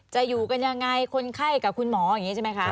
จะอยู่กันยังไงคนไข้กับคุณหมออย่างนี้ใช่ไหมคะ